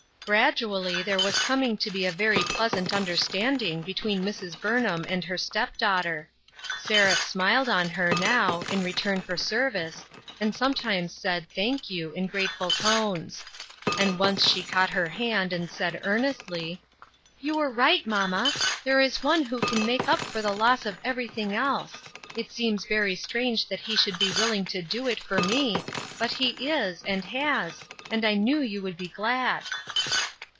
Gradually there was coming to be a very pleasant understanding between Mrs. Burnham and her TRANSFORMATION. 255 step daughter. Seraph smiled on her, now, in return for service, and sometimes said "Thank you," in grateful tones ; and once she caught her hand and said earnestly," You were right, mamma ; there is One who can make up for the loss of everything else ; it seems very strange that He should be willing to do it for me, but He is, and has, and I knew you would be glad."